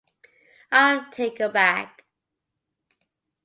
I'll take her back.